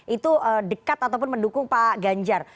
itu dekat ataupun mendukung pak ganjar